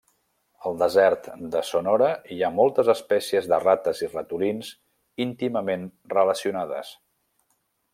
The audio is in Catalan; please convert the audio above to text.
Al desert de Sonora hi ha moltes espècies de rates i ratolins íntimament relacionades.